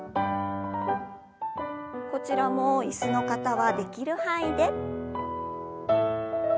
こちらも椅子の方はできる範囲で。